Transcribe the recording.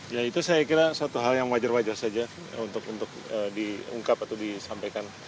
ya itu saya kira satu hal yang wajar wajar saja untuk diungkap atau disampaikan